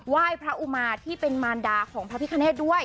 ยพระอุมาที่เป็นมารดาของพระพิคเนธด้วย